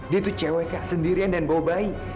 dia tuh cewek kak sendirian dan bawa bayi